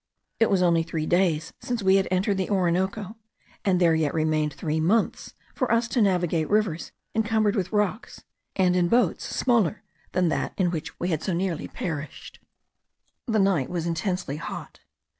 It was only three days since we had entered the Orinoco, and there yet remained three months for us to navigate rivers encumbered with rocks, and in boats smaller than that in which we had so nearly perished. The night was intensely hot.